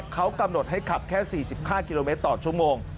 เขากำหนดให้ขับแค่๔๕กิโลเมตรต่อชั่วโมง